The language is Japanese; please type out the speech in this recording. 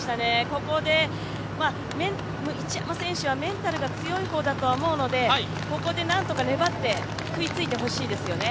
ここで一山選手はメンタルが強い方だとは思うので、ここで何とか粘って、食いついてほしいですよね。